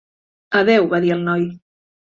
"Adeu", va dir el noi.